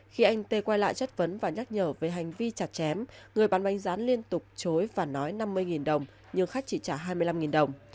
khi anh tê quay lại chất vấn và nhắc nhở về hành vi chặt chém người bán bánh rán liên tục chối và nói năm mươi đồng nhưng khách chỉ trả hai mươi năm đồng